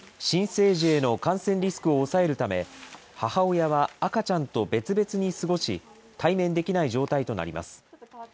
新生児への感染リスクを抑えるため、母親は赤ちゃんと別々に過ごし、対面できない状態となります。